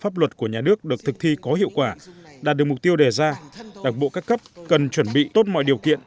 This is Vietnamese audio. đạt được mục tiêu đề ra đảng bộ các cấp cần chuẩn bị tốt mọi điều kiện